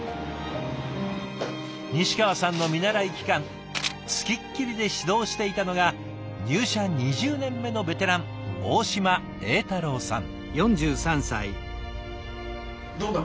西川さんの見習い期間付きっきりで指導していたのが入社２０年目のベテラン大島栄太郎さん。